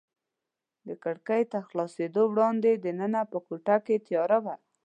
د کړکۍ تر خلاصېدو وړاندې دننه په کوټه کې تیاره وه.